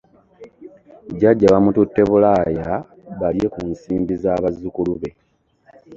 Jajja bamutute bulaaya balye ku nsimbi za bazzukulu be.